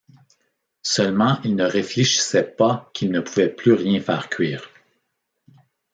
Seulement il ne réfléchissait pas qu’il ne pouvait plus rien faire cuire.